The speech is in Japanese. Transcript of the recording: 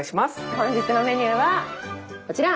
本日のメニューはこちら。